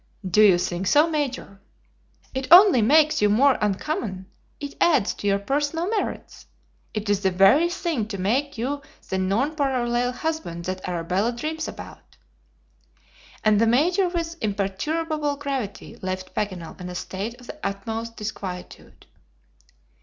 "Do you think so, Major?" "On the contrary, it only makes you more uncommon. It adds to your personal merits. It is the very thing to make you the nonpareil husband that Arabella dreams about." And the Major with imperturbable gravity left Paganel in a state of the utmost disquietude.